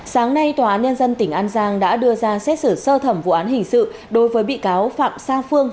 sáng nay tòa án nhân dân tỉnh an giang đã đưa ra xét xử sơ thẩm vụ án hình sự đối với bị cáo phạm sa phương